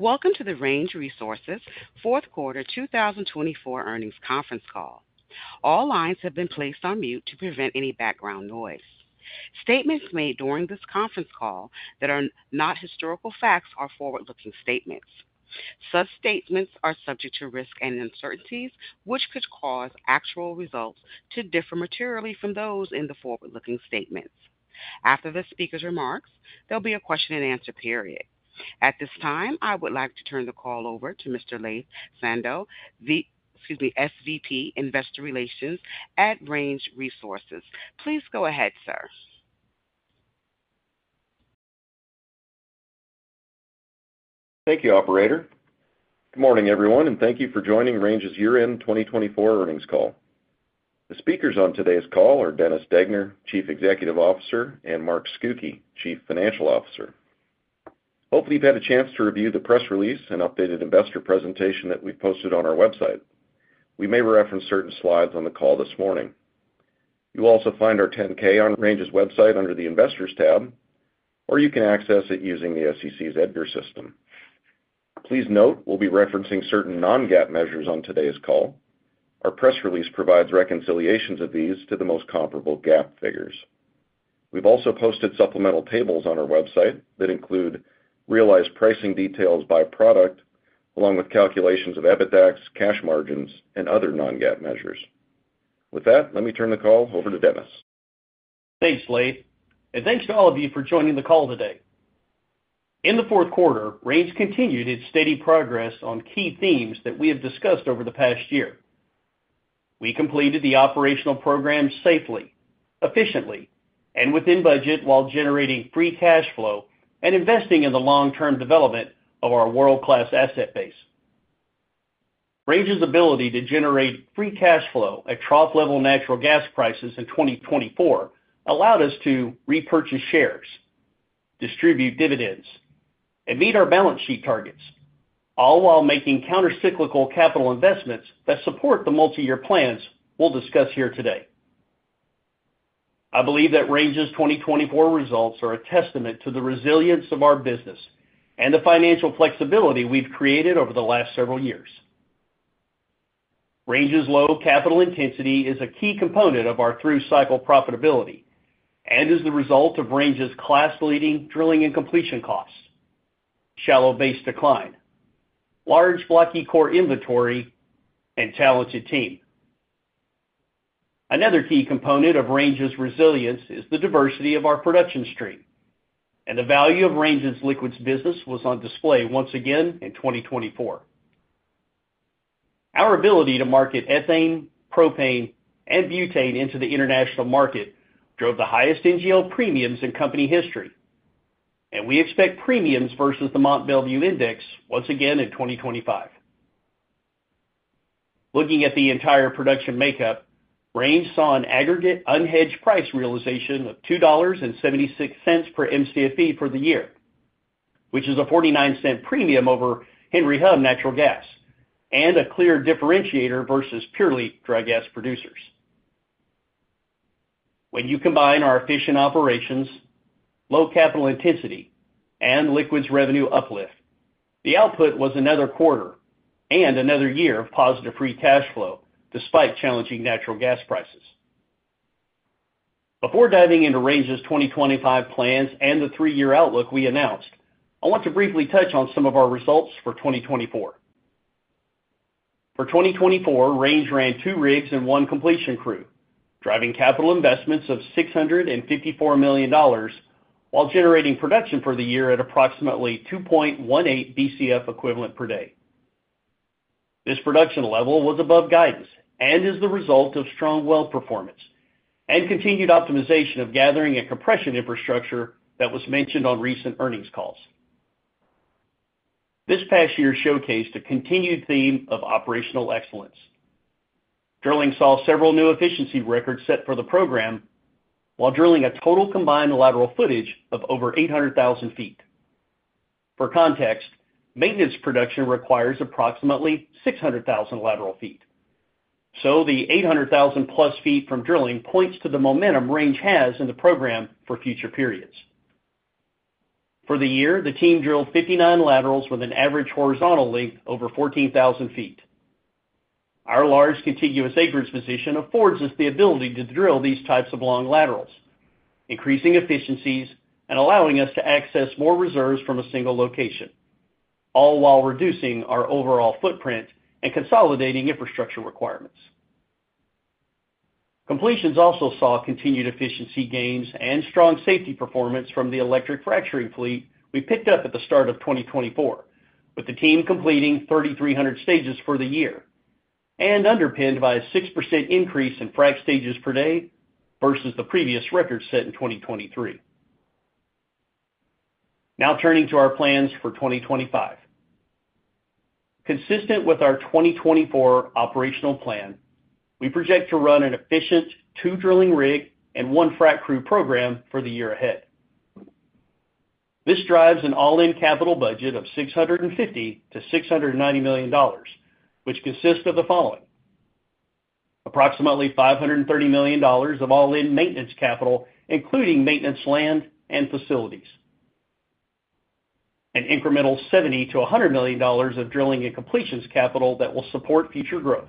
Welcome to the Range Resources Fourth Quarter 2024 Earnings Conference Call. All lines have been placed on mute to prevent any background noise. Statements made during this conference call that are not historical facts are forward-looking statements. Such statements are subject to risk and uncertainties, which could cause actual results to differ materially from those in the forward-looking statements. After the speaker's remarks, there'll be a question-and-answer period. At this time, I would like to turn the call over to Mr. Laith Sando, the, excuse me, SVP Investor Relations at Range Resources. Please go ahead, sir. Thank you, Operator. Good morning, everyone, and thank you for joining Range's Year End 2024 Earnings Call. The speakers on today's call are Dennis Degner, Chief Executive Officer, and Mark Scucchi, Chief Financial Officer. Hopefully, you've had a chance to review the press release and updated investor presentation that we've posted on our website. We may reference certain slides on the call this morning. You'll also find our 10-K on Range's website under the Investors tab, or you can access it using the SEC's EDGAR System. Please note we'll be referencing certain non-GAAP measures on today's call. Our press release provides reconciliations of these to the most comparable GAAP figures. We've also posted supplemental tables on our website that include realized pricing details by product, along with calculations of EBITDAX, cash margins, and other non-GAAP measures. With that, let me turn the call over to Dennis. Thanks, Laith, and thanks to all of you for joining the call today. In the fourth quarter, Range continued its steady progress on key themes that we have discussed over the past year. We completed the operational program safely, efficiently, and within budget while generating free cash flow and investing in the long-term development of our world-class asset base. Range's ability to generate free cash flow at trough-level natural gas prices in 2024 allowed us to repurchase shares, distribute dividends, and meet our balance sheet targets, all while making countercyclical capital investments that support the multi-year plans we'll discuss here today. I believe that Range's 2024 results are a testament to the resilience of our business and the financial flexibility we've created over the last several years. Range's low capital intensity is a key component of our through-cycle profitability and is the result of Range's class-leading drilling and completion costs, shallow base decline, large blocky core inventory, and talented team. Another key component of Range's resilience is the diversity of our production stream, and the value of Range's liquids business was on display once again in 2024. Our ability to market ethane, propane, and butane into the international market drove the highest NGL premiums in company history, and we expect premiums versus the Mont Belvieu Index once again in 2025. Looking at the entire production makeup, Range saw an aggregate unhedged price realization of $2.76 per Mcfe for the year, which is a $0.49 premium over Henry Hub natural gas and a clear differentiator versus purely dry gas producers. When you combine our efficient operations, low capital intensity, and liquids revenue uplift, the output was another quarter and another year of positive free cash flow despite challenging natural gas prices. Before diving into Range's 2025 plans and the three-year outlook we announced, I want to briefly touch on some of our results for 2024. For 2024, Range ran two rigs and one completion crew, driving capital investments of $654 million while generating production for the year at approximately 2.18 Bcfe per day. This production level was above guidance and is the result of strong well performance and continued optimization of gathering and compression infrastructure that was mentioned on recent earnings calls. This past year showcased a continued theme of operational excellence. Drilling saw several new efficiency records set for the program while drilling a total combined lateral footage of over 800,000 feet. For context, maintenance production requires approximately 600,000 lateral feet, so the 800,000-plus feet from drilling points to the momentum Range has in the program for future periods. For the year, the team drilled 59 laterals with an average horizontal length over 14,000 feet. Our large contiguous acreage position affords us the ability to drill these types of long laterals, increasing efficiencies and allowing us to access more reserves from a single location, all while reducing our overall footprint and consolidating infrastructure requirements. Completions also saw continued efficiency gains and strong safety performance from the electric fracturing fleet we picked up at the start of 2024, with the team completing 3,300 stages for the year and underpinned by a 6% increase in frac stages per day versus the previous record set in 2023. Now turning to our plans for 2025. Consistent with our 2024 operational plan, we project to run an efficient two drilling rig and one frac crew program for the year ahead. This drives an all-in capital budget of $650-$690 million, which consists of the following: approximately $530 million of all-in maintenance capital, including maintenance land and facilities, an incremental $70-$100 million of drilling and completions capital that will support future growth,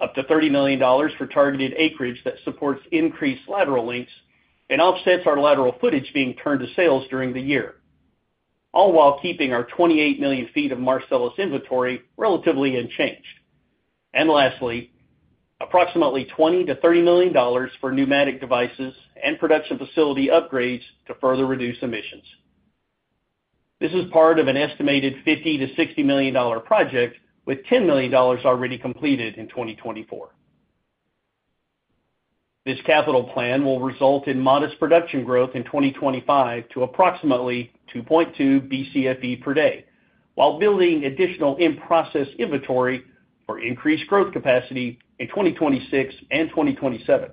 up to $30 million for targeted acreage that supports increased lateral lengths and offsets our lateral footage being turned to sales during the year, all while keeping our 28 million feet of Marcellus inventory relatively unchanged. And lastly, approximately $20-$30 million for pneumatic devices and production facility upgrades to further reduce emissions. This is part of an estimated $50-$60 million project, with $10 million already completed in 2024. This capital plan will result in modest production growth in 2025 to approximately 2.2 Bcfe per day, while building additional in-process inventory for increased growth capacity in 2026 and 2027.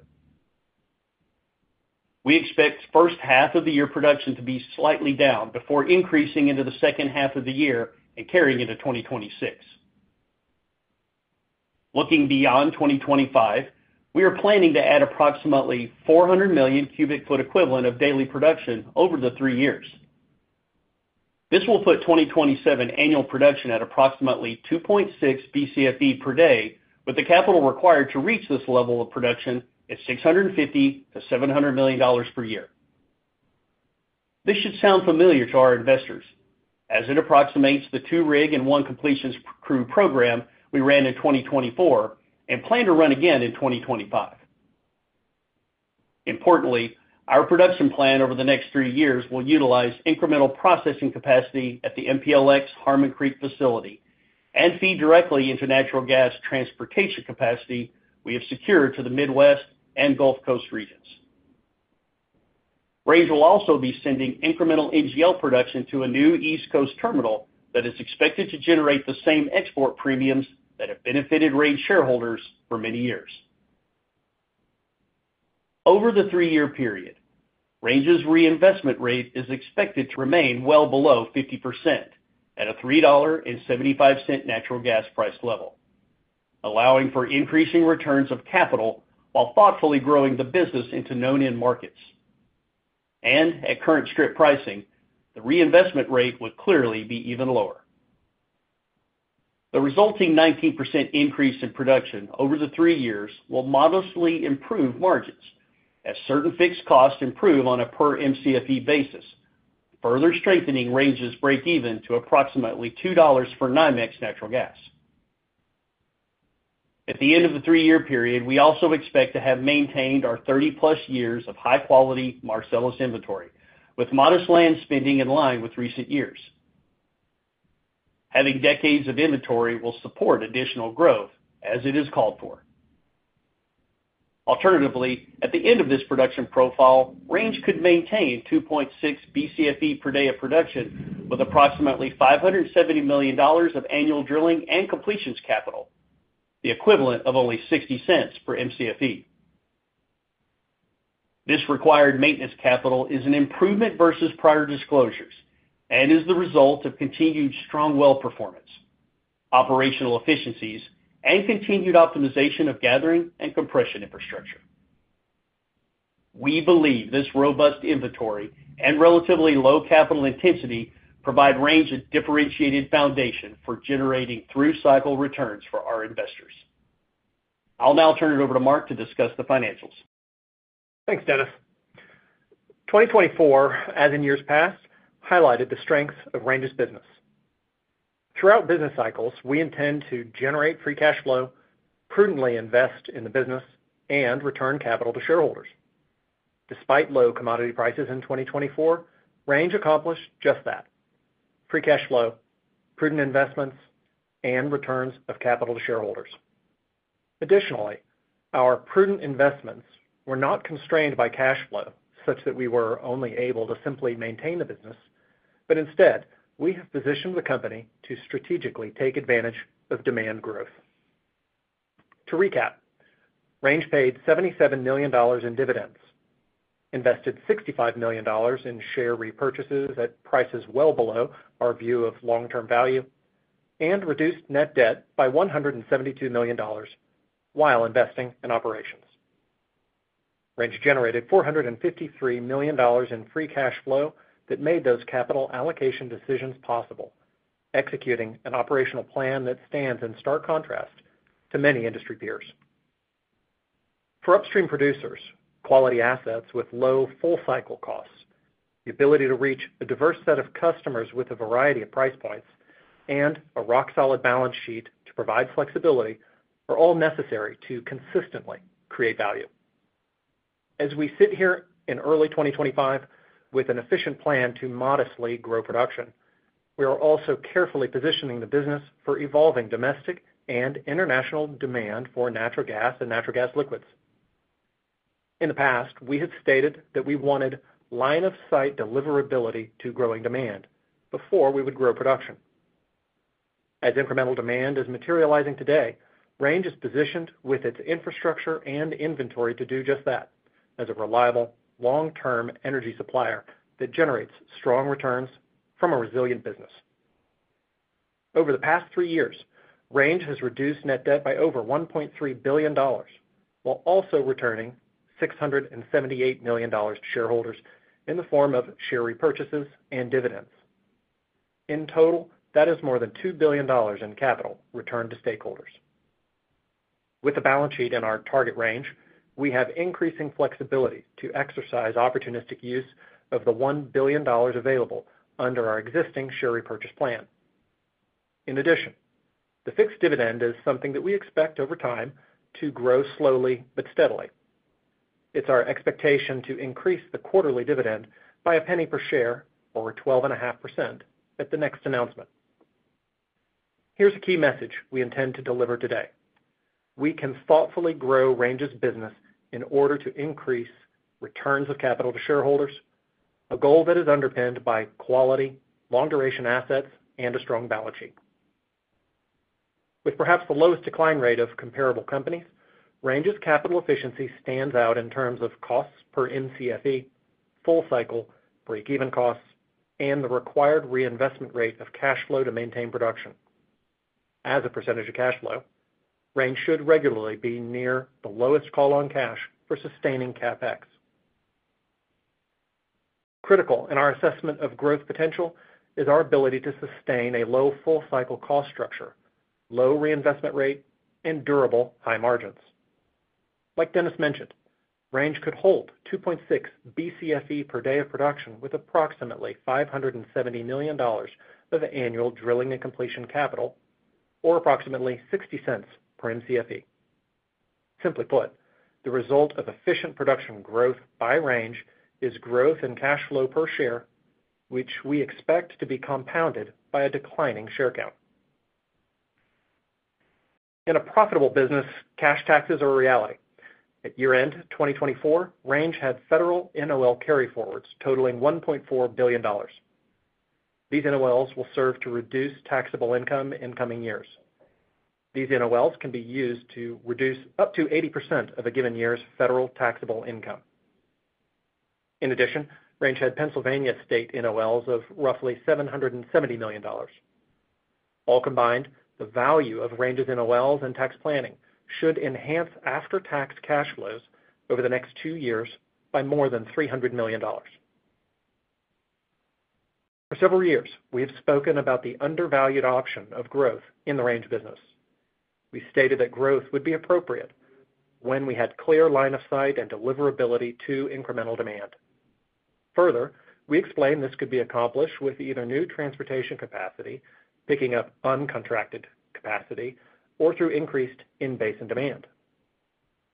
We expect the first half of the year production to be slightly down before increasing into the second half of the year and carrying into 2026. Looking beyond 2025, we are planning to add approximately 400 million cubic feet equivalent of daily production over the three years. This will put 2027 annual production at approximately 2.6 Bcfe per day, with the capital required to reach this level of production at $650-$700 million per year. This should sound familiar to our investors, as it approximates the two rig and one completions crew program we ran in 2024 and plan to run again in 2025. Importantly, our production plan over the next three years will utilize incremental processing capacity at the MPLX Harmon Creek facility and feed directly into natural gas transportation capacity we have secured to the Midwest and Gulf Coast regions. Range will also be sending incremental NGL production to a new East Coast terminal that is expected to generate the same export premiums that have benefited Range shareholders for many years. Over the three-year period, Range's reinvestment rate is expected to remain well below 50% at a $3.75 natural gas price level, allowing for increasing returns of capital while thoughtfully growing the business into known end markets. And at current strip pricing, the reinvestment rate would clearly be even lower. The resulting 19% increase in production over the three years will modestly improve margins as certain fixed costs improve on a per-Mcfe basis, further strengthening Range's break-even to approximately $2 for NYMEX natural gas. At the end of the three-year period, we also expect to have maintained our 30-plus years of high-quality Marcellus inventory, with modest land spending in line with recent years. Having decades of inventory will support additional growth, as it is called for. Alternatively, at the end of this production profile, Range could maintain 2.6 Bcfe per day of production with approximately $570 million of annual drilling and completions capital, the equivalent of only $0.60 per Mcfe. This required maintenance capital is an improvement versus prior disclosures and is the result of continued strong well performance, operational efficiencies, and continued optimization of gathering and compression infrastructure. We believe this robust inventory and relatively low capital intensity provide Range a differentiated foundation for generating through-cycle returns for our investors. I'll now turn it over to Mark to discuss the financials. Thanks, Dennis. 2024, as in years past, highlighted the strength of Range's business. Throughout business cycles, we intend to generate free cash flow, prudently invest in the business, and return capital to shareholders. Despite low commodity prices in 2024, Range accomplished just that: free cash flow, prudent investments, and returns of capital to shareholders. Additionally, our prudent investments were not constrained by cash flow, such that we were only able to simply maintain the business, but instead, we have positioned the company to strategically take advantage of demand growth. To recap, Range paid $77 million in dividends, invested $65 million in share repurchases at prices well below our view of long-term value, and reduced net debt by $172 million while investing in operations. Range generated $453 million in free cash flow that made those capital allocation decisions possible, executing an operational plan that stands in stark contrast to many industry peers. For upstream producers, quality assets with low full-cycle costs, the ability to reach a diverse set of customers with a variety of price points, and a rock-solid balance sheet to provide flexibility are all necessary to consistently create value. As we sit here in early 2025 with an efficient plan to modestly grow production, we are also carefully positioning the business for evolving domestic and international demand for natural gas and natural gas liquids. In the past, we had stated that we wanted line-of-sight deliverability to growing demand before we would grow production. As incremental demand is materializing today, Range is positioned with its infrastructure and inventory to do just that as a reliable long-term energy supplier that generates strong returns from a resilient business. Over the past three years, Range has reduced net debt by over $1.3 billion while also returning $678 million to shareholders in the form of share repurchases and dividends. In total, that is more than $2 billion in capital returned to stakeholders. With the balance sheet in our target range, we have increasing flexibility to exercise opportunistic use of the $1 billion available under our existing share repurchase plan. In addition, the fixed dividend is something that we expect over time to grow slowly but steadily. It's our expectation to increase the quarterly dividend by a penny per share or 12.5% at the next announcement. Here's a key message we intend to deliver today: we can thoughtfully grow Range's business in order to increase returns of capital to shareholders, a goal that is underpinned by quality, long-duration assets, and a strong balance sheet. With perhaps the lowest decline rate of comparable companies, Range's capital efficiency stands out in terms of costs per Mcfe, full-cycle, break-even costs, and the required reinvestment rate of cash flow to maintain production. As a percentage of cash flow, Range should regularly be near the lowest call on cash for sustaining CapEx. Critical in our assessment of growth potential is our ability to sustain a low full-cycle cost structure, low reinvestment rate, and durable high margins. Like Dennis mentioned, Range could hold 2.6 Bcfe per day of production with approximately $570 million of annual drilling and completion capital or approximately $0.60 per Mcfe. Simply put, the result of efficient production growth by Range is growth in cash flow per share, which we expect to be compounded by a declining share count. In a profitable business, cash taxes are a reality. At year-end 2024, Range had federal NOL carryforwards totaling $1.4 billion. These NOLs will serve to reduce taxable income in coming years. These NOLs can be used to reduce up to 80% of a given year's federal taxable income. In addition, Range had Pennsylvania state NOLs of roughly $770 million. All combined, the value of Range's NOLs and tax planning should enhance after-tax cash flows over the next two years by more than $300 million. For several years, we have spoken about the undervalued option of growth in the Range business. We stated that growth would be appropriate when we had clear line of sight and deliverability to incremental demand. Further, we explained this could be accomplished with either new transportation capacity picking up uncontracted capacity or through increased in-basin end demand.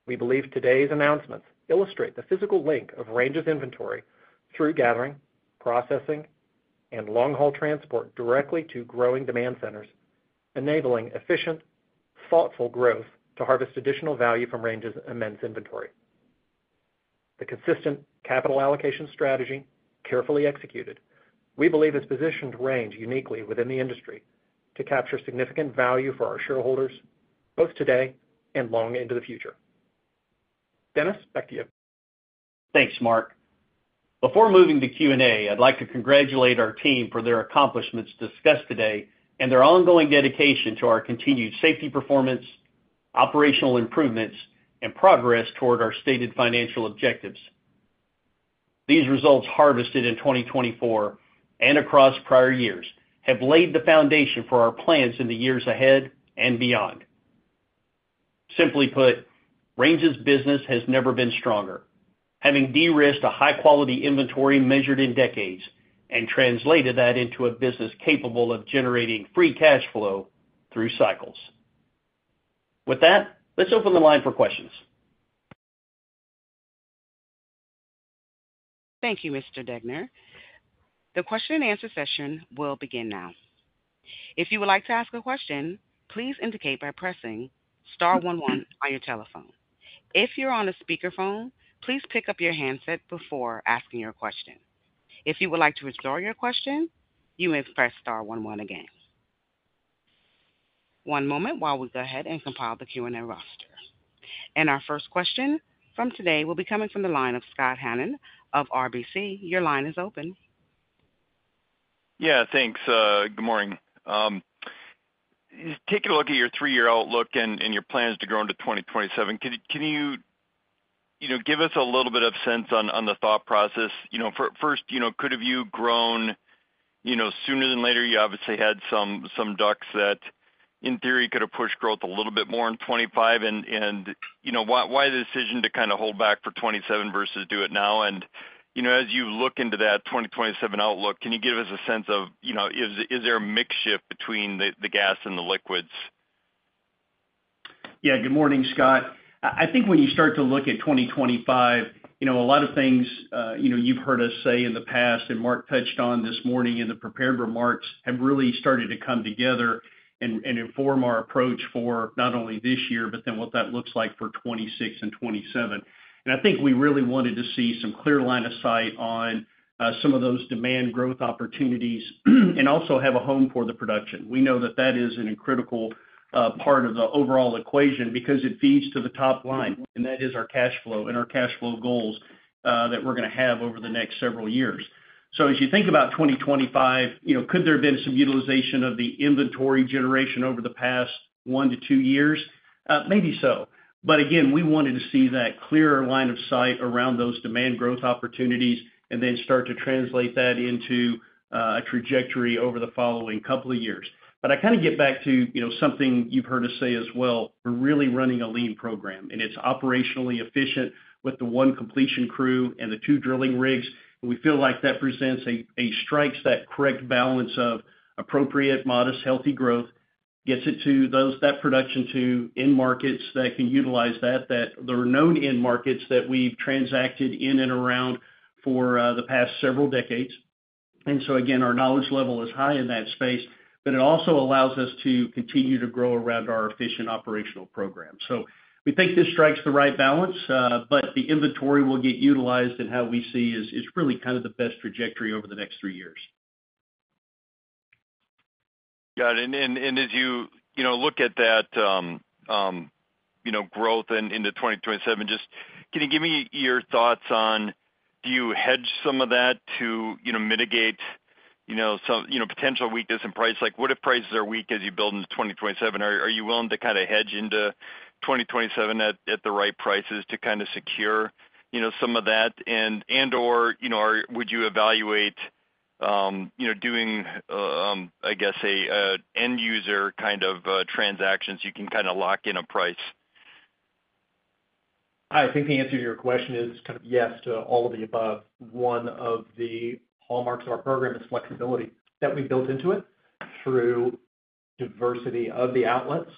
We believe today's announcements illustrate the physical link of Range's inventory through gathering, processing, and long-haul transport directly to growing demand centers, enabling efficient, thoughtful growth to harvest additional value from Range's immense inventory. The consistent capital allocation strategy, carefully executed, we believe has positioned Range uniquely within the industry to capture significant value for our shareholders both today and long into the future. Dennis, back to you. Thanks, Mark. Before moving to Q&A, I'd like to congratulate our team for their accomplishments discussed today and their ongoing dedication to our continued safety performance, operational improvements, and progress toward our stated financial objectives. These results harvested in 2024 and across prior years have laid the foundation for our plans in the years ahead and beyond. Simply put, Range's business has never been stronger, having de-risked a high-quality inventory measured in decades and translated that into a business capable of generating free cash flow through cycles. With that, let's open the line for questions. Thank you, Mr. Degner. The question-and-answer session will begin now. If you would like to ask a question, please indicate by pressing star 11 on your telephone. If you're on a speakerphone, please pick up your handset before asking your question. If you would like to restore your question, you may press star 11 again. One moment while we go ahead and compile the Q&A roster. And our first question from today will be coming from the line of Scott Hanold of RBC. Your line is open. Yeah, thanks. Good morning. Taking a look at your three-year outlook and your plans to grow into 2027, can you give us a little bit of sense on the thought process? First, could have you grown sooner than later? You obviously had some DUCs that, in theory, could have pushed growth a little bit more in 2025. And why the decision to kind of hold back for 2027 versus do it now? And as you look into that 2027 outlook, can you give us a sense of, is there a mixed shift between the gas and the liquids? Yeah, good morning, Scott. I think when you start to look at 2025, a lot of things you've heard us say in the past, and Mark touched on this morning in the prepared remarks, have really started to come together and inform our approach for not only this year, but then what that looks like for 2026 and 2027, and I think we really wanted to see some clear line of sight on some of those demand growth opportunities and also have a home for the production. We know that that is a critical part of the overall equation because it feeds to the top line, and that is our cash flow and our cash flow goals that we're going to have over the next several years, so as you think about 2025, could there have been some utilization of the inventory generation over the past one to two years? Maybe so, but again, we wanted to see that clearer line of sight around those demand growth opportunities and then start to translate that into a trajectory over the following couple of years, but I kind of get back to something you've heard us say as well. We're really running a lean program, and it's operationally efficient with the one completion crew and the two drilling rigs. We feel like that presents that strikes the correct balance of appropriate, modest, healthy growth, gets it to that production to end markets that can utilize that. There are known end markets that we've transacted in and around for the past several decades, and so again, our knowledge level is high in that space, but it also allows us to continue to grow around our efficient operational program. So we think this strikes the right balance, but the inventory will get utilized in how we see is really kind of the best trajectory over the next three years. Got it. And as you look at that growth into 2027, just can you give me your thoughts on, do you hedge some of that to mitigate potential weakness in price? Like what if prices are weak as you build into 2027? Are you willing to kind of hedge into 2027 at the right prices to kind of secure some of that? And/or would you evaluate doing, I guess, end-user kind of transactions you can kind of lock in a price? Hi, I think the answer to your question is kind of yes to all of the above. One of the hallmarks of our program is flexibility that we built into it through diversity of the outlets.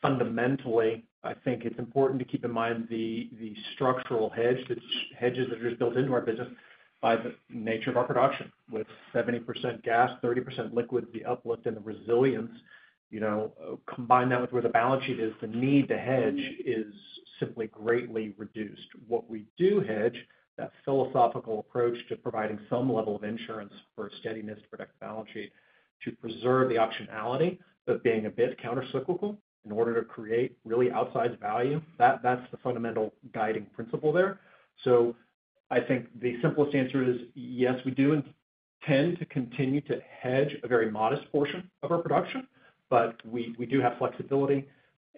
Fundamentally, I think it's important to keep in mind the structural hedges, the hedges that are just built into our business by the nature of our production. With 70% gas, 30% liquid, the uplift and the resilience, combined now with where the balance sheet is, the need to hedge is simply greatly reduced. What we do hedge, that philosophical approach to providing some level of insurance for steadiness to protect the balance sheet, to preserve the optionality of being a bit countercyclical in order to create really outsized value, that's the fundamental guiding principle there. So I think the simplest answer is yes, we do intend to continue to hedge a very modest portion of our production, but we do have flexibility.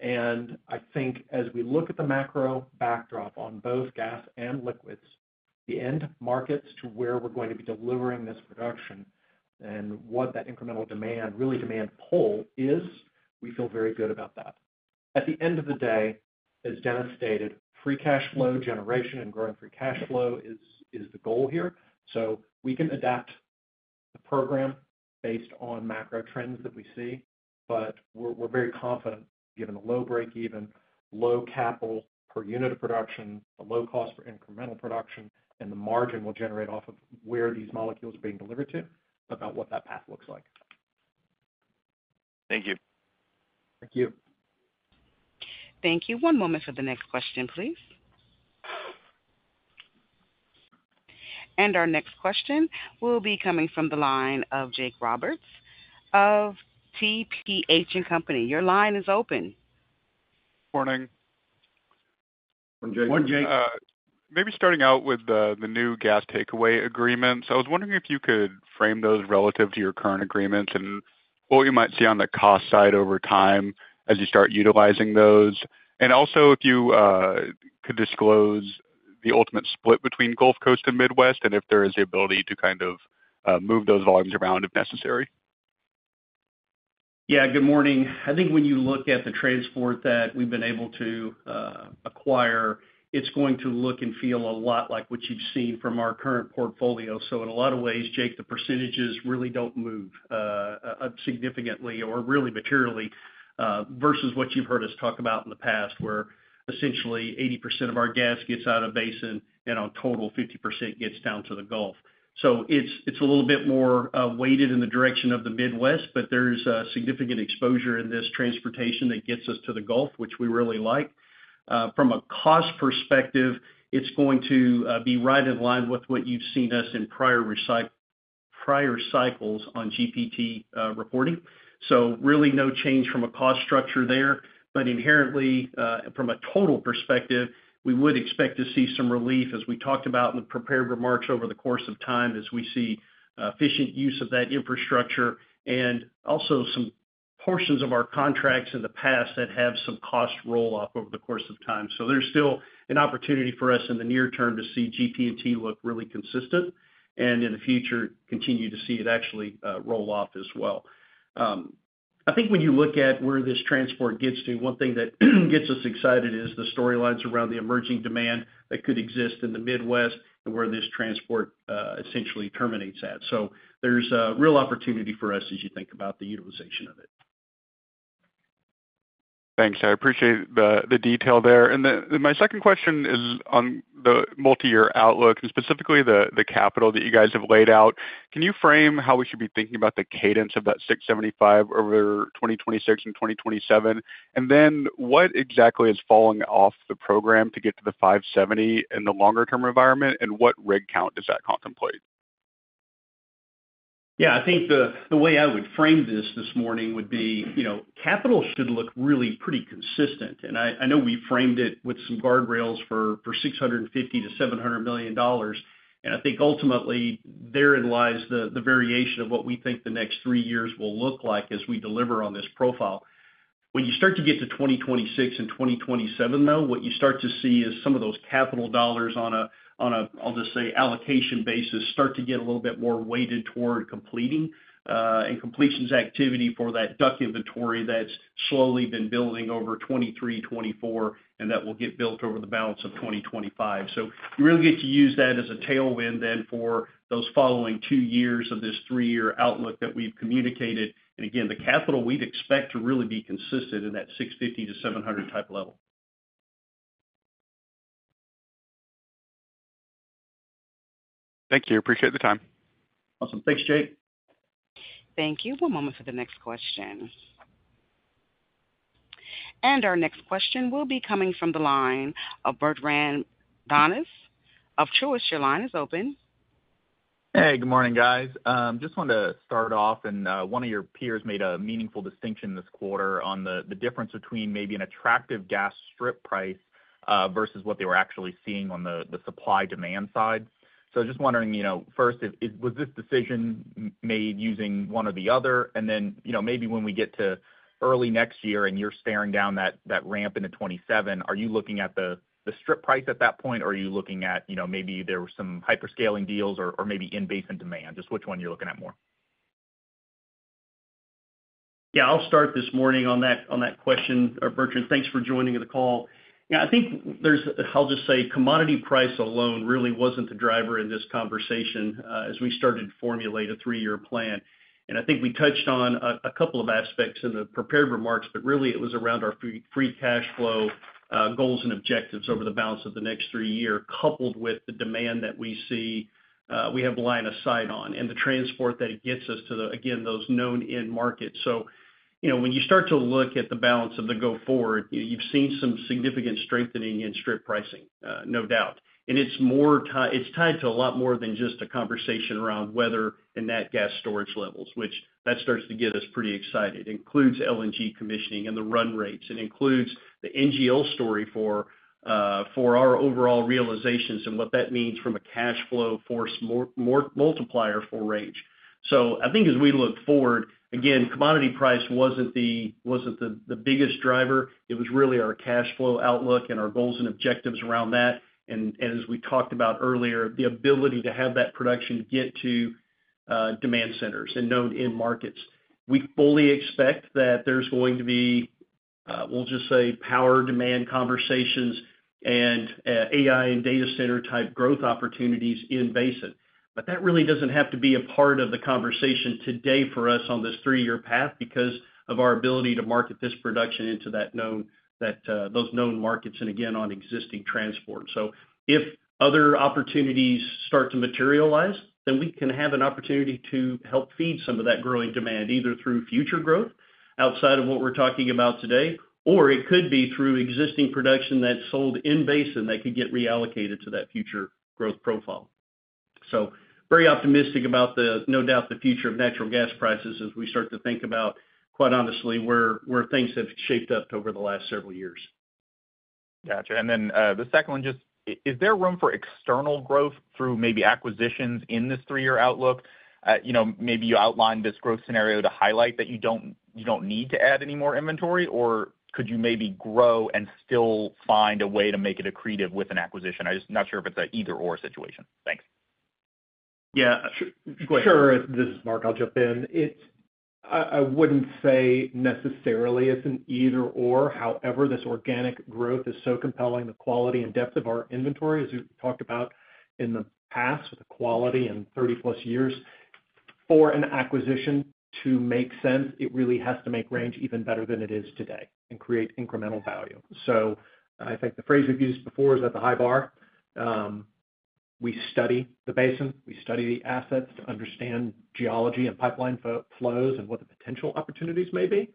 And I think as we look at the macro backdrop on both gas and liquids, the end markets to where we're going to be delivering this production and what that incremental demand, really demand pull is, we feel very good about that. At the end of the day, as Dennis stated, free cash flow generation and growing free cash flow is the goal here. So we can adapt the program based on macro trends that we see, but we're very confident given the low break-even, low capital per unit of production, a low cost for incremental production, and the margin will generate off of where these molecules are being delivered to about what that path looks like. Thank you. Thank you. Thank you. One moment for the next question, please. And our next question will be coming from the line of Jake Roberts of TPH and Company. Your line is open. Morning. Morning, Jake. Morning, Jake. Maybe starting out with the new gas takeaway agreements. I was wondering if you could frame those relative to your current agreements and what you might see on the cost side over time as you start utilizing those, and also if you could disclose the ultimate split between Gulf Coast and Midwest and if there is the ability to kind of move those volumes around if necessary. Yeah, good morning. I think when you look at the transport that we've been able to acquire, it's going to look and feel a lot like what you've seen from our current portfolio. So in a lot of ways, Jake, the percentages really don't move significantly or really materially versus what you've heard us talk about in the past where essentially 80% of our gas gets out of basin and our total 50% gets down to the Gulf. So it's a little bit more weighted in the direction of the Midwest, but there's significant exposure in this transportation that gets us to the Gulf, which we really like. From a cost perspective, it's going to be right in line with what you've seen us in prior cycles on GP&T reporting. So really no change from a cost structure there. But inherently, from a total perspective, we would expect to see some relief as we talked about in the prepared remarks over the course of time as we see efficient use of that infrastructure and also some portions of our contracts in the past that have some cost roll-off over the course of time. So there's still an opportunity for us in the near term to see GP&T look really consistent and in the future continue to see it actually roll off as well. I think when you look at where this transport gets to, one thing that gets us excited is the storylines around the emerging demand that could exist in the Midwest and where this transport essentially terminates at. So there's a real opportunity for us as you think about the utilization of it. Thanks. I appreciate the detail there. And my second question is on the multi-year outlook and specifically the capital that you guys have laid out. Can you frame how we should be thinking about the cadence of that 675 over 2026 and 2027? And then what exactly is falling off the program to get to the 570 in the longer-term environment and what rig count does that contemplate? Yeah, I think the way I would frame this morning would be capital should look really pretty consistent. And I know we framed it with some guardrails for $650-$700 million. And I think ultimately therein lies the variation of what we think the next three years will look like as we deliver on this profile. When you start to get to 2026 and 2027, though, what you start to see is some of those capital dollars on a, I'll just say, allocation basis start to get a little bit more weighted toward completing and completions activity for that DUC inventory that's slowly been building over 2023, 2024, and that will get built over the balance of 2025. So you really get to use that as a tailwind then for those following two years of this three-year outlook that we've communicated. Again, the capital we'd expect to really be consistent in that $650-$700 type level. Thank you. Appreciate the time. Awesome. Thanks, Jake. Thank you. One moment for the next question, and our next question will be coming from the line of Bertrand Donnes of Truist Securities. Your line is open. Hey, good morning, guys. Just wanted to start off, and one of your peers made a meaningful distinction this quarter on the difference between maybe an attractive gas strip price versus what they were actually seeing on the supply-demand side, so just wondering, first, was this decision made using one or the other? And then maybe when we get to early next year and you're staring down that ramp into 2027, are you looking at the strip price at that point or are you looking at maybe there were some hyperscaling deals or maybe in-basin demand? Just which one you're looking at more? Yeah, I'll start this morning on that question. Bertrand, thanks for joining the call. Yeah, I think there's, I'll just say, commodity price alone really wasn't the driver in this conversation as we started to formulate a three-year plan, and I think we touched on a couple of aspects in the prepared remarks, but really it was around our free cash flow goals and objectives over the balance of the next three-year coupled with the demand that we see we have a line of sight on and the transport that it gets us to, again, those known end markets, so when you start to look at the balance of the go forward, you've seen some significant strengthening in strip pricing, no doubt, and it's tied to a lot more than just a conversation around weather and that gas storage levels, which starts to get us pretty excited. It includes LNG commissioning and the run rates. It includes the NGL story for our overall realizations and what that means from a cash flow force multiplier for Range, so I think as we look forward, again, commodity price wasn't the biggest driver. It was really our cash flow outlook and our goals and objectives around that, and as we talked about earlier, the ability to have that production get to demand centers and known end markets. We fully expect that there's going to be, we'll just say, power demand conversations and AI and data center type growth opportunities in basin, but that really doesn't have to be a part of the conversation today for us on this three-year path because of our ability to market this production into those known markets and again, on existing transport. So if other opportunities start to materialize, then we can have an opportunity to help feed some of that growing demand either through future growth outside of what we're talking about today, or it could be through existing production that's sold in basin that could get reallocated to that future growth profile. So very optimistic about the, no doubt, the future of natural gas prices as we start to think about, quite honestly, where things have shaped up over the last several years. Gotcha. And then the second one just, is there room for external growth through maybe acquisitions in this three-year outlook? Maybe you outlined this growth scenario to highlight that you don't need to add any more inventory, or could you maybe grow and still find a way to make it accretive with an acquisition? I'm just not sure if it's an either-or situation. Thanks. Yeah. Sure. This is Mark. I'll jump in. I wouldn't say necessarily it's an either-or. However, this organic growth is so compelling, the quality and depth of our inventory, as we talked about in the past with the quality and 30-plus years. For an acquisition to make sense, it really has to make Range even better than it is today and create incremental value. So I think the phrase we've used before is at the high bar. We study the basin. We study the assets to understand geology and pipeline flows and what the potential opportunities may be.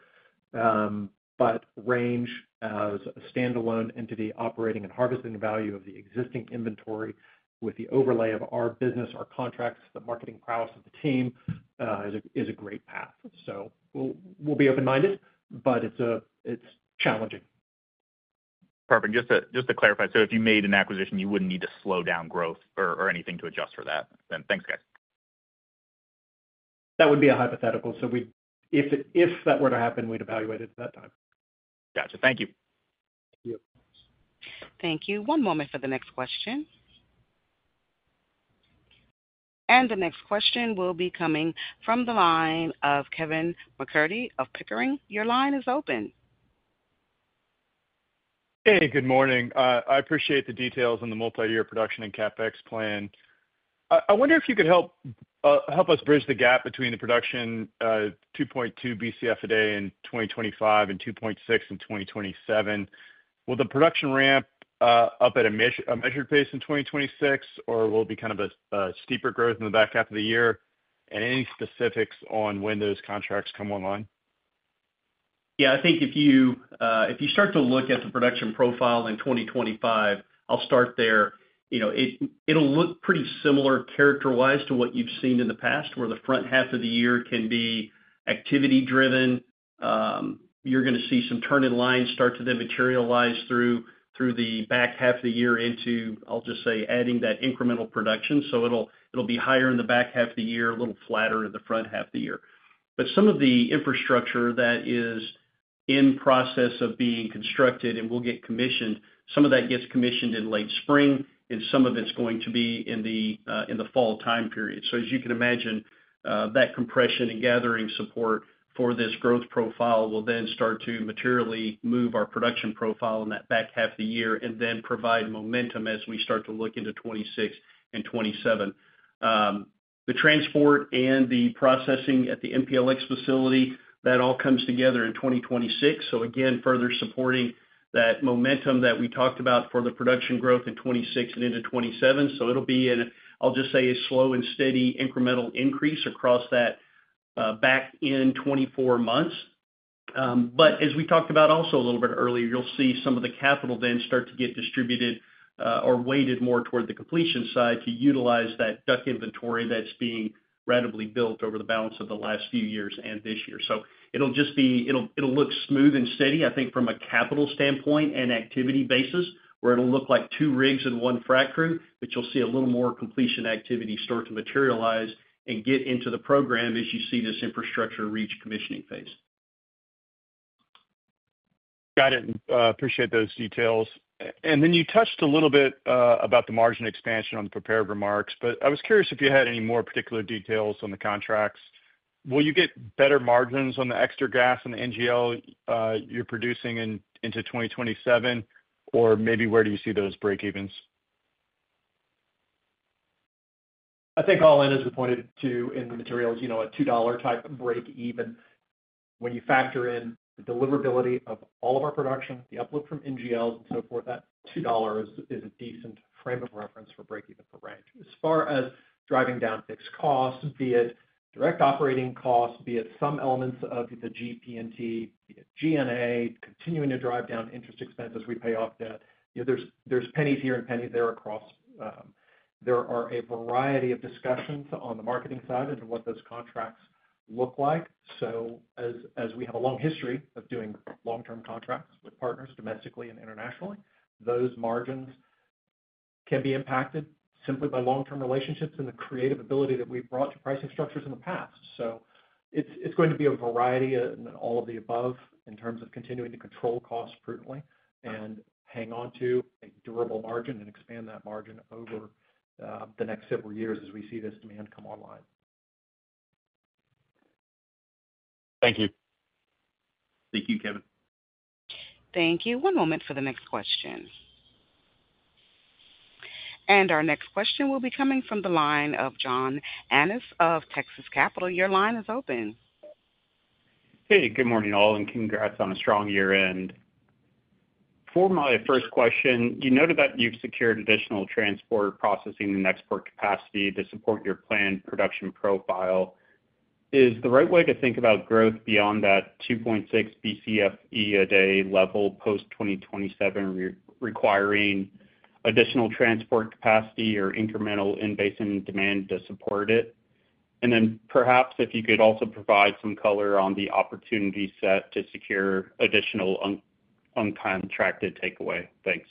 But Range as a standalone entity operating and harvesting the value of the existing inventory with the overlay of our business, our contracts, the marketing prowess of the team is a great path. So we'll be open-minded, but it's challenging. Perfect. Just to clarify, so if you made an acquisition, you wouldn't need to slow down growth or anything to adjust for that? Then, thanks, guys. That would be a hypothetical. So if that were to happen, we'd evaluate it at that time. Gotcha. Thank you. Thank you. One moment for the next question. And the next question will be coming from the line of Kevin MacCurdy of Pickering. Your line is open. Hey, good morning. I appreciate the details on the multi-year production and CapEx plan. I wonder if you could help us bridge the gap between the production 2.2 BCF a day in 2025 and 2.6 in 2027. Will the production ramp up at a measured pace in 2026, or will it be kind of a steeper growth in the back half of the year? And any specifics on when those contracts come online? Yeah, I think if you start to look at the production profile in 2025, I'll start there. It'll look pretty similar characterized to what you've seen in the past, where the front half of the year can be activity-driven. You're going to see some turn-in lines start to then materialize through the back half of the year into, I'll just say, adding that incremental production. So it'll be higher in the back half of the year, a little flatter in the front half of the year. But some of the infrastructure that is in process of being constructed and will get commissioned, some of that gets commissioned in late spring, and some of it's going to be in the fall time period. So as you can imagine, that compression and gathering support for this growth profile will then start to materially move our production profile in that back half of the year and then provide momentum as we start to look into 2026 and 2027. The transport and the processing at the MPLX facility, that all comes together in 2026. So again, further supporting that momentum that we talked about for the production growth in 2026 and into 2027. So it'll be, I'll just say, a slow and steady incremental increase across that back in 24 months. But as we talked about also a little bit earlier, you'll see some of the capital then start to get distributed or weighted more toward the completion side to utilize that DUC inventory that's being randomly built over the balance of the last few years and this year. So it'll just look smooth and steady, I think, from a capital standpoint and activity basis, where it'll look like two rigs and one frac crew, but you'll see a little more completion activity start to materialize and get into the program as you see this infrastructure reach commissioning phase. Got it. Appreciate those details. And then you touched a little bit about the margin expansion on the prepared remarks, but I was curious if you had any more particular details on the contracts. Will you get better margins on the extra gas and the NGL you're producing into 2027, or maybe where do you see those breakevens? I think all in, as we pointed to in the materials, a $2 type break-even. When you factor in the deliverability of all of our production, the uplift from NGLs and so forth, that $2 is a decent frame of reference for break-even for RRC. As far as driving down fixed costs, be it direct operating costs, be it some elements of the GP&T, G&A, continuing to drive down interest expenses, we pay off debt. There's pennies here and pennies there across. There are a variety of discussions on the marketing side and what those contracts look like. So as we have a long history of doing long-term contracts, partners domestically and internationally, those margins can be impacted simply by long-term relationships and the creative ability that we've brought to pricing structures in the past. So it's going to be a variety in all of the above in terms of continuing to control costs prudently and hang on to a durable margin and expand that margin over the next several years as we see this demand come online. Thank you. Thank you, Kevin. Thank you. One moment for the next question. And our next question will be coming from the line of John Annis of Texas Capital. Your line is open. Hey, good morning, all, and congrats on a strong year-end. For my first question, you noted that you've secured additional transport, processing, and export capacity to support your planned production profile. Is the right way to think about growth beyond that 2.6 Bcfe a day level post-2027 requiring additional transport capacity or incremental in-basin demand to support it, and then perhaps if you could also provide some color on the opportunity set to secure additional uncontracted takeaway? Thanks.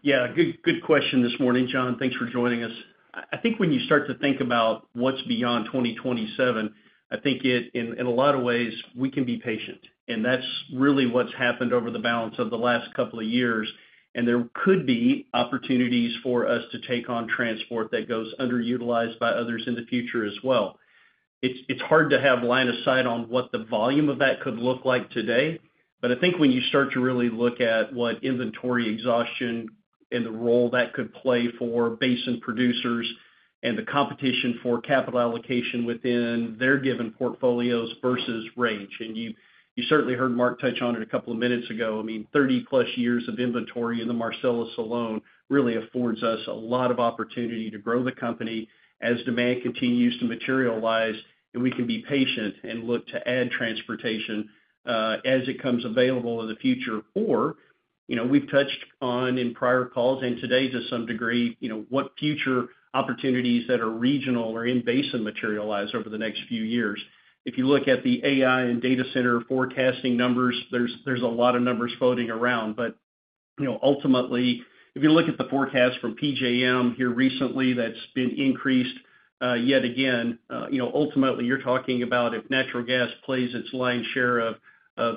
Yeah, good question this morning, John. Thanks for joining us. I think when you start to think about what's beyond 2027, I think in a lot of ways, we can be patient, and that's really what's happened over the balance of the last couple of years, and there could be opportunities for us to take on transport that goes underutilized by others in the future as well. It's hard to have line of sight on what the volume of that could look like today. But I think when you start to really look at what inventory exhaustion and the role that could play for basin producers and the competition for capital allocation within their given portfolios versus Range, and you certainly heard Mark touch on it a couple of minutes ago. I mean, 30-plus years of inventory in the Marcellus alone really affords us a lot of opportunity to grow the company as demand continues to materialize. And we can be patient and look to add transportation as it comes available in the future. Or we've touched on in prior calls and today to some degree, what future opportunities that are regional or in-basin materialize over the next few years. If you look at the AI and data center forecasting numbers, there's a lot of numbers floating around. But ultimately, if you look at the forecast from PJM here recently, that's been increased. Yet again, ultimately, you're talking about if natural gas plays its lion's share of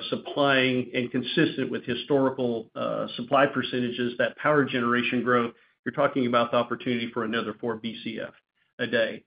supplying and consistent with historical supply percentages, that power generation growth, you're talking about the opportunity for another four BCF a day.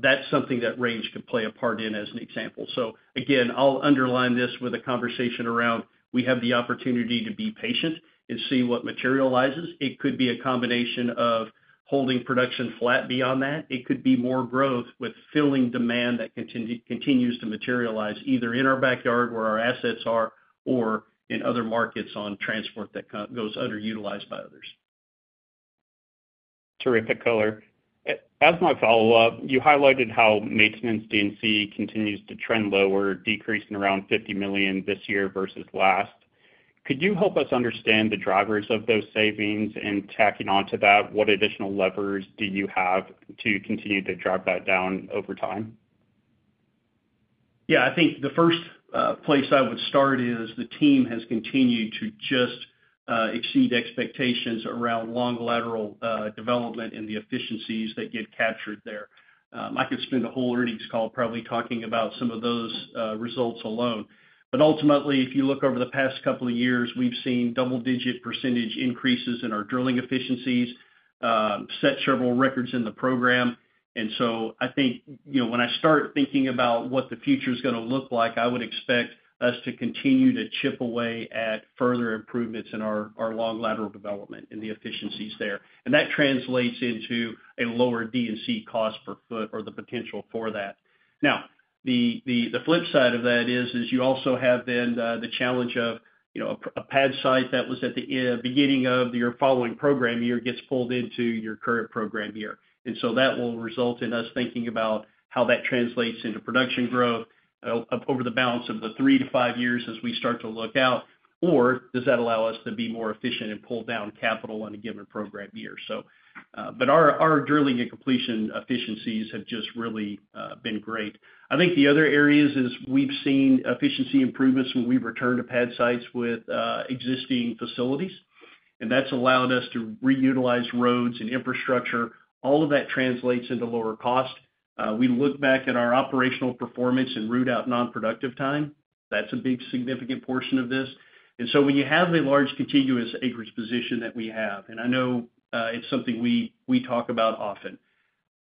That's something that Range could play a part in as an example. So again, I'll underline this with a conversation around we have the opportunity to be patient and see what materializes. It could be a combination of holding production flat beyond that. It could be more growth with filling demand that continues to materialize either in our backyard where our assets are or in other markets on transport that goes underutilized by others. Terrific color. As my follow-up, you highlighted how maintenance DUCs continues to trend lower, decreasing around $50 million this year versus last. Could you help us understand the drivers of those savings and tacking on to that? What additional levers do you have to continue to drive that down over time? Yeah, I think the first place I would start is the team has continued to just exceed expectations around long lateral development and the efficiencies that get captured there. I could spend a whole earnings call probably talking about some of those results alone. But ultimately, if you look over the past couple of years, we've seen double-digit % increases in our drilling efficiencies, set several records in the program. And so I think when I start thinking about what the future is going to look like, I would expect us to continue to chip away at further improvements in our long lateral development and the efficiencies there. And that translates into a lower DUC cost per foot or the potential for that. Now, the flip side of that is you also have then the challenge of a pad site that was at the beginning of your following program year gets pulled into your current program year, and so that will result in us thinking about how that translates into production growth over the balance of the three-to-five years as we start to look out, or does that allow us to be more efficient and pull down capital on a given program year? But our drilling and completion efficiencies have just really been great. I think the other areas is we've seen efficiency improvements when we've returned to pad sites with existing facilities, and that's allowed us to reutilize roads and infrastructure. All of that translates into lower cost. We look back at our operational performance and root out non-productive time. That's a big significant portion of this. And so when you have a large continuous acreage position that we have, and I know it's something we talk about often,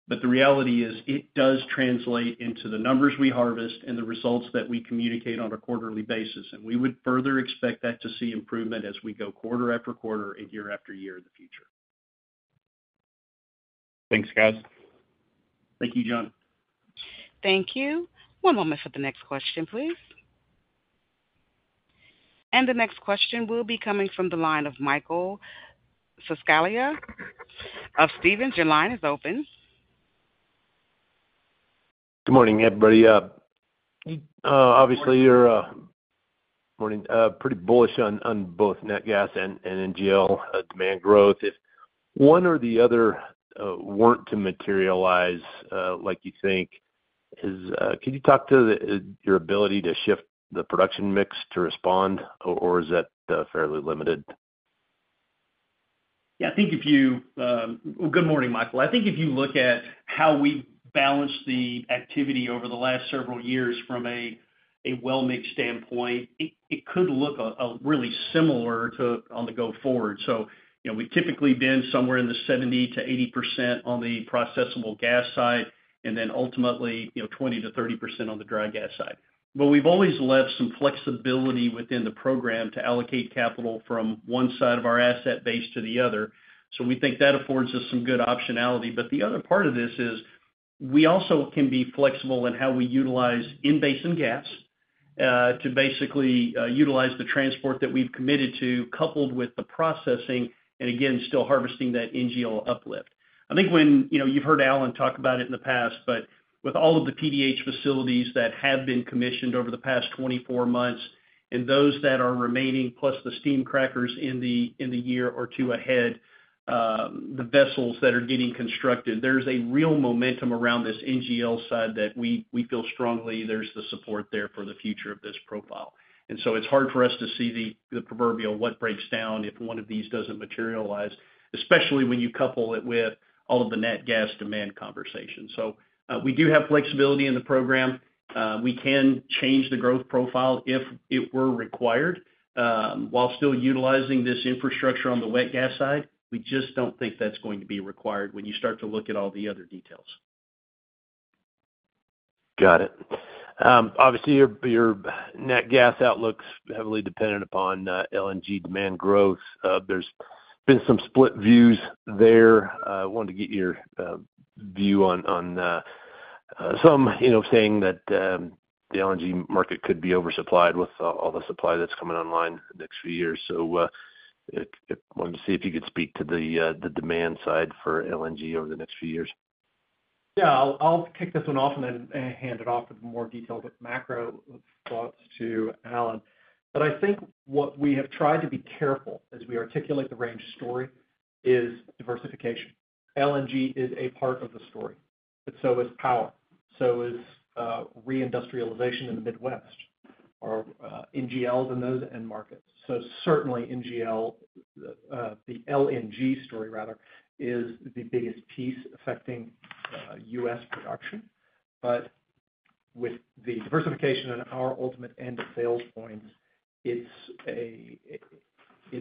but the reality is it does translate into the numbers we harvest and the results that we communicate on a quarterly basis. And we would further expect that to see improvement as we go quarter after quarter and year after year in the future. Thanks, guys. Thank you, John. Thank you. One moment for the next question, please, and the next question will be coming from the line of Michael Scialla of Stephens. Your line is open. Good morning, everybody. Obviously, you're pretty bullish on both nat gas and NGL demand growth. If one or the other weren't to materialize like you think, could you talk to your ability to shift the production mix to respond, or is that fairly limited? Yeah, I think if you, well, good morning, Michael. I think if you look at how we've balanced the activity over the last several years from a well-mixed standpoint, it could look really similar on the go forward. So we've typically been somewhere in the 70%-80% on the processable gas side, and then ultimately 20%-30% on the dry gas side. But we've always left some flexibility within the program to allocate capital from one side of our asset base to the other. So we think that affords us some good optionality. But the other part of this is we also can be flexible in how we utilize in-basin gas to basically utilize the transport that we've committed to, coupled with the processing, and again, still harvesting that NGL uplift. I think when you've heard Alan talk about it in the past, but with all of the PDH facilities that have been commissioned over the past 24 months, and those that are remaining, plus the steam crackers in the year or two ahead, the vessels that are getting constructed, there's a real momentum around this NGL side that we feel strongly there's the support there for the future of this profile. And so it's hard for us to see the proverbial what breaks down if one of these doesn't materialize, especially when you couple it with all of the net gas demand conversation. So we do have flexibility in the program. We can change the growth profile if it were required while still utilizing this infrastructure on the wet gas side. We just don't think that's going to be required when you start to look at all the other details. Got it. Obviously, your net gas outlook's heavily dependent upon LNG demand growth. There's been some split views there. I wanted to get your view on some, saying that the LNG market could be oversupplied with all the supply that's coming online next few years. So I wanted to see if you could speak to the demand side for LNG over the next few years. Yeah, I'll kick this one off and then hand it off with more detailed macro thoughts to Alan. But I think what we have tried to be careful as we articulate the Range story is diversification. LNG is a part of the story. And so is power. So is reindustrialization in the Midwest, our NGLs in those end markets. So certainly NGL, the LNG story rather, is the biggest piece affecting U.S. production. But with the diversification and our ultimate end of sales points, it's a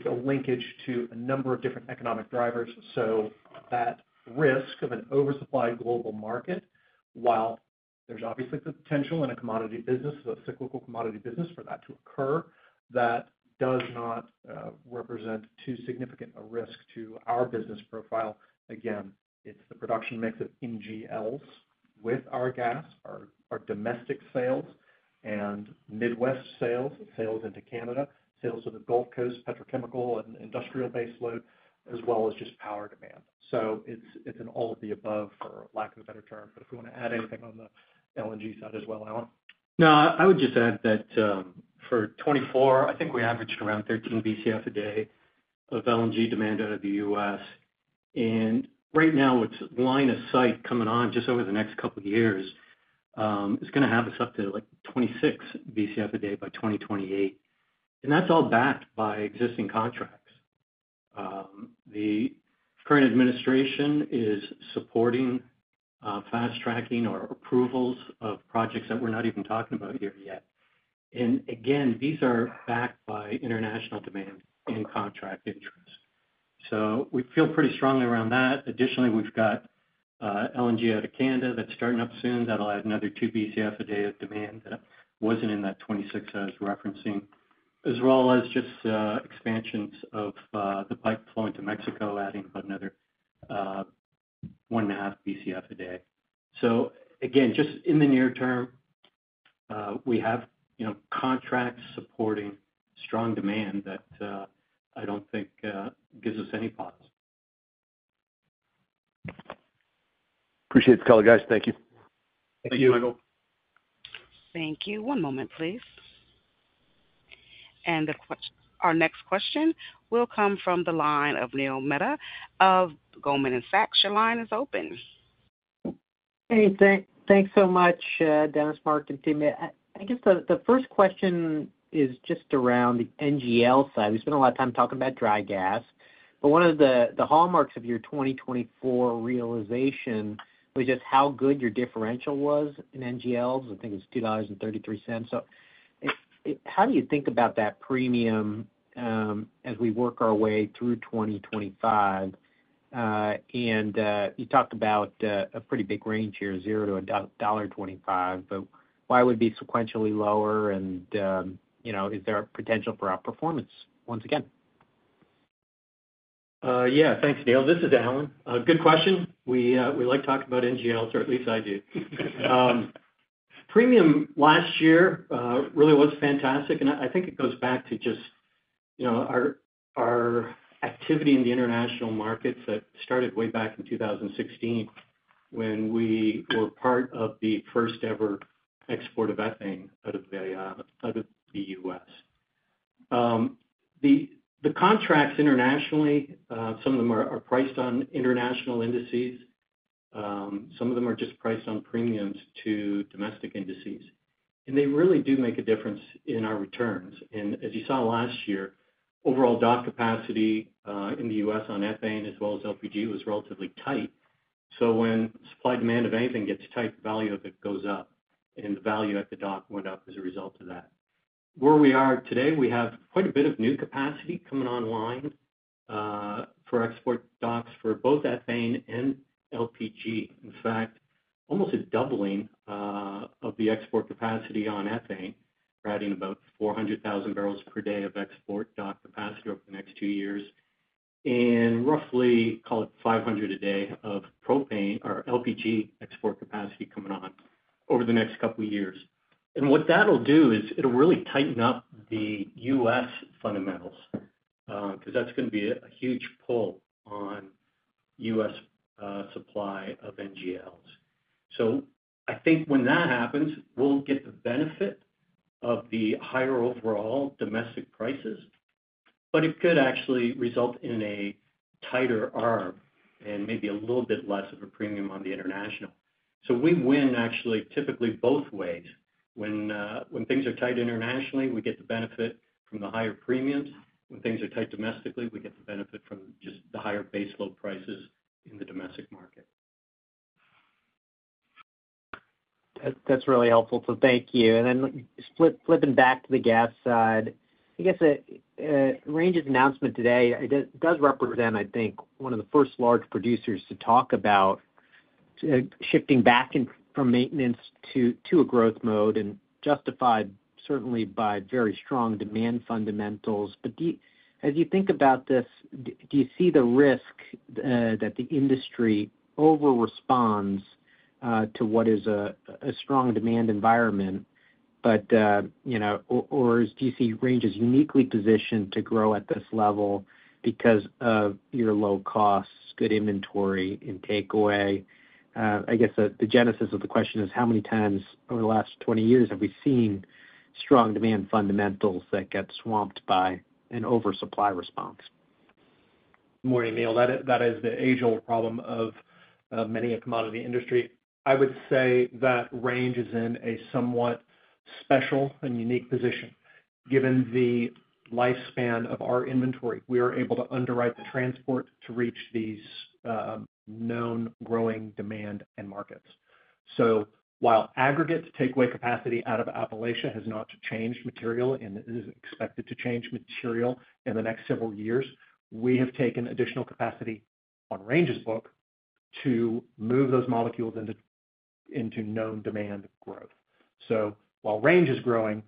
linkage to a number of different economic drivers. So that risk of an oversupply global market, while there's obviously the potential in a commodity business, a cyclical commodity business for that to occur, that does not represent too significant a risk to our business profile. Again, it's the production mix of NGLs with our gas, our domestic sales, and Midwest sales, sales into Canada, sales to the Gulf Coast petrochemical and industrial baseload, as well as just power demand. So it's an all of the above, for lack of a better term. But if we want to add anything on the LNG side as well, Alan. No, I would just add that for 2024, I think we averaged around 13 BCF a day of LNG demand out of the U.S. And right now, it's line of sight coming on just over the next couple of years. It's going to have us up to like 26 BCF a day by 2028. And that's all backed by existing contracts. The current administration is supporting fast tracking or approvals of projects that we're not even talking about here yet. And again, these are backed by international demand and contract interest. So we feel pretty strongly around that. Additionally, we've got LNG out of Canada that's starting up soon. That'll add another 2 BCF a day of demand that wasn't in that 26 I was referencing, as well as just expansions of the pipeline to Mexico, adding about another 1.5 BCF a day. So again, just in the near term, we have contracts supporting strong demand that I don't think gives us any pause. Appreciate the call, guys. Thank you. Thank you, Michael. Thank you. One moment, please. And our next question will come from the line of Neil Mehta of Goldman Sachs. Your line is open. Hey, thanks so much, Dennis, Mark, and team. I guess the first question is just around the NGL side. We spent a lot of time talking about dry gas. But one of the hallmarks of your 2024 realization was just how good your differential was in NGLs. I think it was $2.33. So how do you think about that premium as we work our way through 2025? And you talked about a pretty big range here, $0-$1.25. But why would it be sequentially lower? And is there a potential for outperformance once again? Yeah, thanks, Neil. This is Alan. Good question. We like talking about NGLs, or at least I do. Premium last year really was fantastic. And I think it goes back to just our activity in the international markets that started way back in 2016 when we were part of the first-ever export of ethane out of the U.S. The contracts internationally, some of them are priced on international indices. Some of them are just priced on premiums to domestic indices. And they really do make a difference in our returns. And as you saw last year, overall dock capacity in the U.S. on ethane as well as LPG was relatively tight. So when supply and demand of anything gets tight, the value of it goes up. And the value at the dock went up as a result of that. Where we are today, we have quite a bit of new capacity coming online for export docks for both ethane and LPG. In fact, almost a doubling of the export capacity on ethane, providing about 400,000 barrels per day of export dock capacity over the next two years, and roughly call it 500 a day of propane or LPG export capacity coming on over the next couple of years. And what that'll do is it'll really tighten up the U.S. fundamentals because that's going to be a huge pull on U.S. supply of NGLs. So I think when that happens, we'll get the benefit of the higher overall domestic prices, but it could actually result in a tighter arb and maybe a little bit less of a premium on the international. So we win actually typically both ways. When things are tight internationally, we get the benefit from the higher premiums. When things are tight domestically, we get the benefit from just the higher baseload prices in the domestic market. That's really helpful. So thank you. And then flipping back to the gas side, I guess the Range announcement today does represent, I guess, one of the first large producers to talk about shifting back from maintenance to a growth mode and justified certainly by very strong demand fundamentals. But as you think about this, do you see the risk that the industry over-responds to what is a strong demand environment? Or do you see Range's uniquely positioned to grow at this level because of your low costs, good inventory, and takeaway? I guess the genesis of the question is how many times over the last 20 years have we seen strong demand fundamentals that get swamped by an oversupply response? Good morning, Neil. That is the age-old problem of many a commodity industry. I would say that Range is in a somewhat special and unique position. Given the lifespan of our inventory, we are able to underwrite the transport to reach these known growing demand and markets. So while aggregate takeaway capacity out of Appalachia has not changed materially and is expected to change materially in the next several years, we have taken additional capacity on Range's book to move those molecules into known demand growth. So while Range is growing,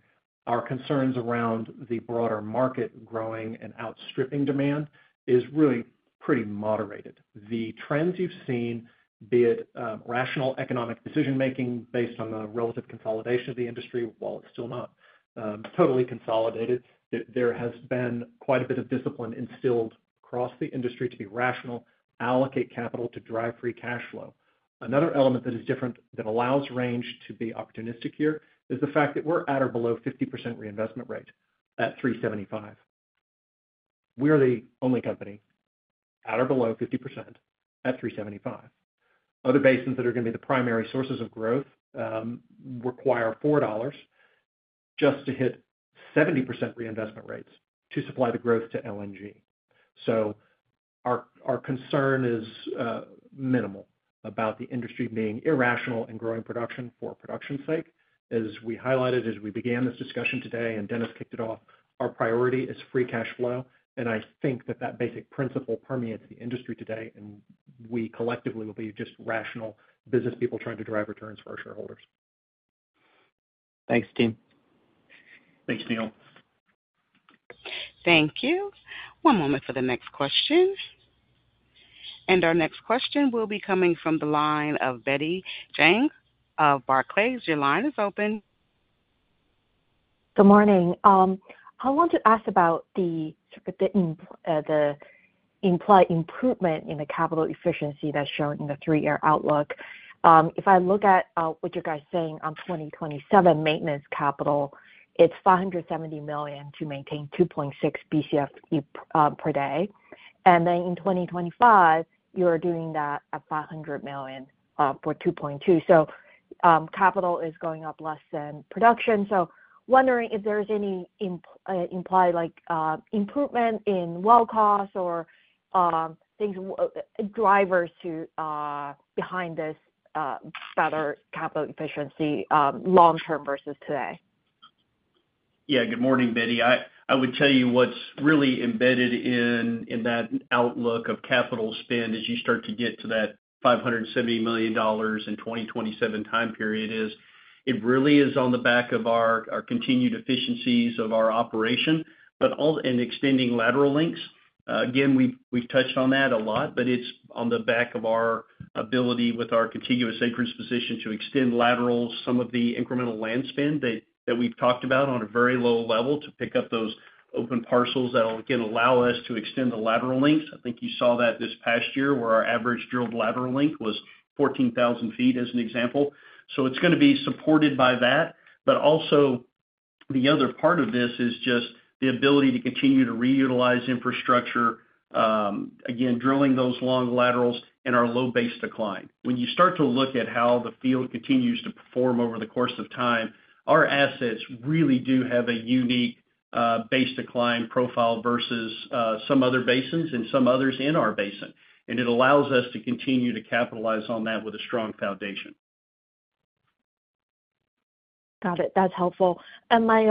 our concerns around the broader market growing and outstripping demand is really pretty moderated. The trends you've seen, be it rational economic decision-making based on the relative consolidation of the industry, while it's still not totally consolidated, there has been quite a bit of discipline instilled across the industry to be rational, allocate capital to drive free cash flow. Another element that is different that allows Range to be opportunistic here is the fact that we're at or below 50% reinvestment rate at $3.75. We are the only company at or below 50% at $3.75. Other basins that are going to be the primary sources of growth require $4 just to hit 70% reinvestment rates to supply the growth to LNG, so our concern is minimal about the industry being irrational in growing production for production's sake. As we highlighted as we began this discussion today, and Dennis kicked it off, our priority is free cash flow, and I think that that basic principle permeates the industry today, and we collectively will be just rational business people trying to drive returns for our shareholders. Thanks, team. Thanks, Neil. Thank you. One moment for the next question, and our next question will be coming from the line of Betty Jiang of Barclays. Your line is open. Good morning. I want to ask about the improvement in the capital efficiency that's shown in the three-year outlook. If I look at what you guys are saying on 2027 maintenance capital, it's $570 million to maintain 2.6 BCF per day. And then in 2025, you're doing that at $500 million for 2.2. So capital is going up less than production. So wondering if there's any implied improvement in well costs or drivers behind this better capital efficiency long-term versus today? Yeah, good morning, Betty. I would tell you what's really embedded in that outlook of capital spend as you start to get to that $570 million in 2027 time period is it really is on the back of our continued efficiencies of our operation and extending lateral lengths. Again, we've touched on that a lot, but it's on the back of our ability with our contiguous acreage position to extend lateral some of the incremental land spend that we've talked about on a very low level to pick up those open parcels that will again allow us to extend the lateral lengths. I think you saw that this past year where our average drilled lateral length was 14,000 feet as an example. So it's going to be supported by that. But also the other part of this is just the ability to continue to reutilize infrastructure, again, drilling those long laterals and our low base decline. When you start to look at how the field continues to perform over the course of time, our assets really do have a unique base decline profile versus some other basins and some others in our basin. And it allows us to continue to capitalize on that with a strong foundation. Got it. That's helpful. And my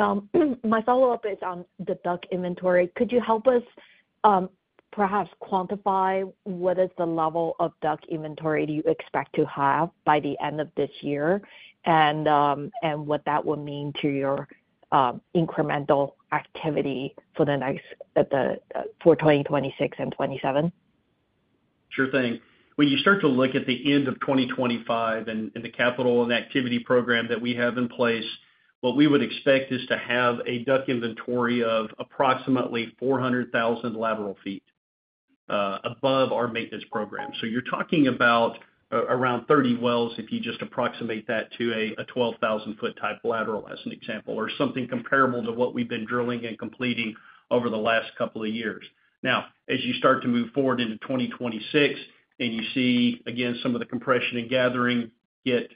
follow-up is on the DUC inventory. Could you help us perhaps quantify what is the level of DUC inventory do you expect to have by the end of this year and what that will mean to your incremental activity for 2026 and 2027? Sure thing. When you start to look at the end of 2025 and the capital and activity program that we have in place, what we would expect is to have a DUC inventory of approximately 400,000 lateral feet above our maintenance program. So you're talking about around 30 wells if you just approximate that to a 12,000-foot type lateral as an example or something comparable to what we've been drilling and completing over the last couple of years. Now, as you start to move forward into 2026 and you see, again, some of the compression and gathering get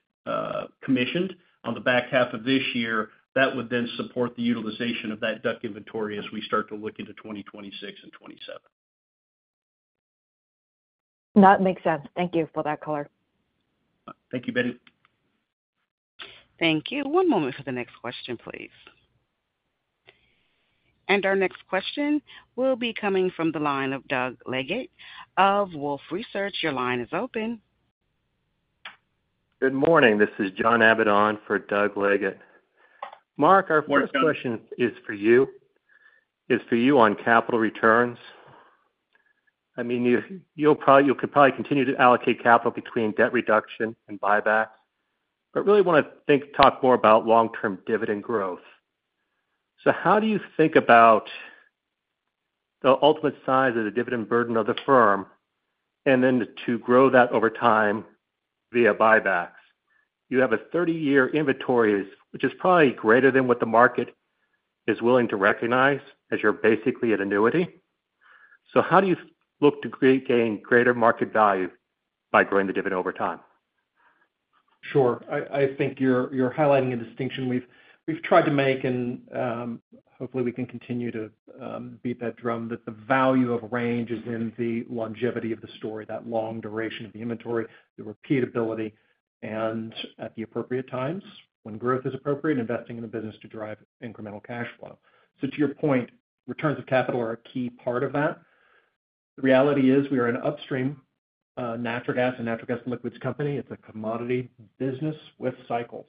commissioned on the back half of this year, that would then support the utilization of that DUC inventory as we start to look into 2026 and 2027. That makes sense. Thank you for that, Caller. Thank you, Betty. Thank you. One moment for the next question, please. And our next question will be coming from the line of Doug Leggett of Wolfe Research. Your line is open. Good morning. This is John Abbott on for Doug Leggett. Mark, our first question is for you. It's for you on capital returns. I mean, you could probably continue to allocate capital between debt reduction and buyback, but really want to talk more about long-term dividend growth. So how do you think about the ultimate size of the dividend burden of the firm and then to grow that over time via buybacks? You have a 30-year inventory, which is probably greater than what the market is willing to recognize as you're basically an annuity. So how do you look to gain greater market value by growing the dividend over time? Sure. I think you're highlighting a distinction we've tried to make, and hopefully we can continue to beat that drum that the value of Range is in the longevity of the story, that long duration of the inventory, the repeatability, and at the appropriate times when growth is appropriate, investing in a business to drive incremental cash flow. So to your point, returns of capital are a key part of that. The reality is we are an upstream natural gas and NGLs company. It's a commodity business with cycles.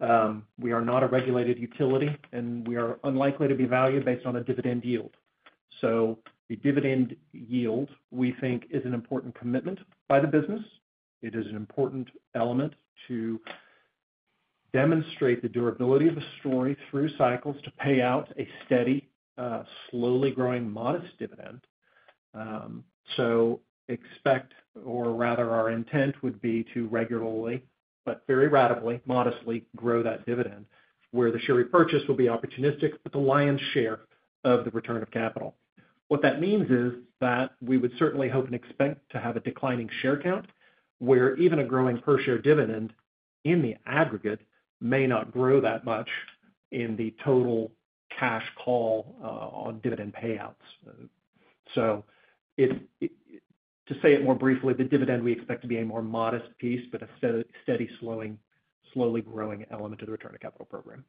We are not a regulated utility, and we are unlikely to be valued based on a dividend yield. So the dividend yield, we think, is an important commitment by the business. It is an important element to demonstrate the durability of the story through cycles to pay out a steady, slowly growing modest dividend. So expect, or rather our intent would be to regularly, but very rationally, modestly grow that dividend where the share repurchase will be opportunistic, but the lion's share of the return of capital. What that means is that we would certainly hope and expect to have a declining share count where even a growing per-share dividend in the aggregate may not grow that much in the total cash call on dividend payouts. So to say it more briefly, the dividend we expect to be a more modest piece, but a steady, slowing, slowly growing element of the return of capital program.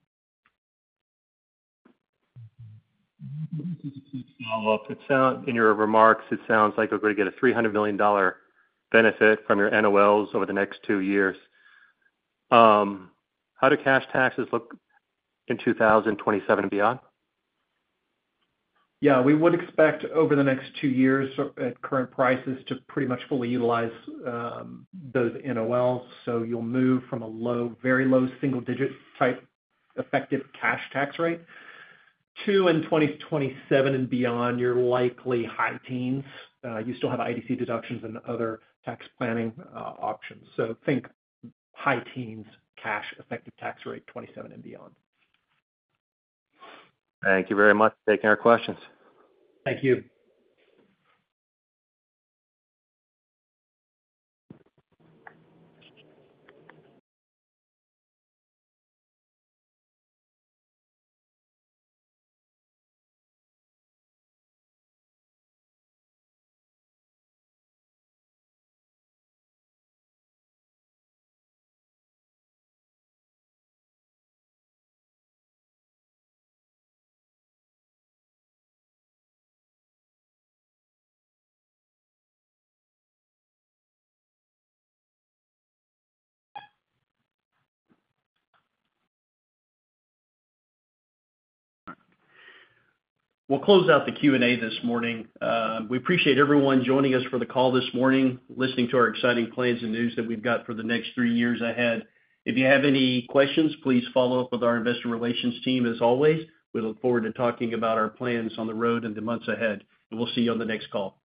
Follow-up. In your remarks, it sounds like you're going to get a $300 million benefit from your NOLs over the next two years. How do cash taxes look in 2027 and beyond? Yeah, we would expect over the next two years at current prices to pretty much fully utilize those NOLs. So you'll move from a low, very low single-digit type effective cash tax rate to in 2027 and beyond, you're likely high teens. You still have IDC deductions and other tax planning options. So think high teens cash effective tax rate 2027 and beyond. Thank you very much for taking our questions. Thank you. We'll close out the Q&A this morning. We appreciate everyone joining us for the call this morning, listening to our exciting plans and news that we've got for the next three years ahead. If you have any questions, please follow up with our investor relations team as always. We look forward to talking about our plans on the road and the months ahead. We'll see you on the next call.